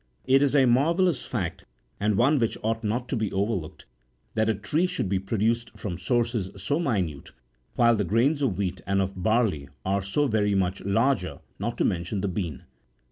It is a marvellous fact, and one which ought not to be overlooked, that a tree should be produced from sources so minute, while the grains of wheat and of barley are so very much larger, not to mention the bean.